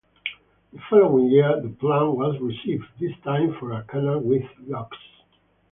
The following year the plan was revived, this time for a canal with locks.